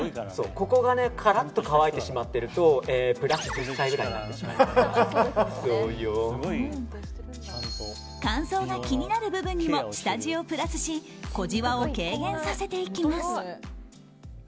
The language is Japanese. カラッと乾いてしまっているとプラス１０歳くらいに乾燥が気になる部分にも下地をプラスし小じわを軽減させていきます。